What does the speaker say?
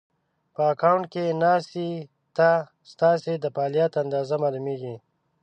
په اکونټ کې ناسې ته ستاسې د فعالیت اندازه مالومېږي